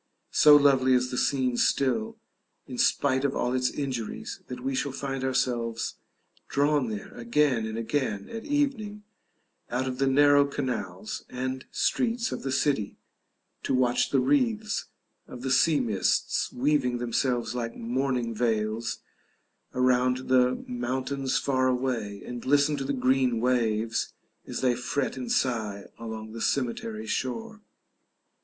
So lovely is the scene still, in spite of all its injuries, that we shall find ourselves drawn there again and again at evening out of the narrow canals and streets of the city, to watch the wreaths of the sea mists weaving themselves like mourning veils around the mountains far away, and listen to the green waves as they fret and sigh along the cemetery shore.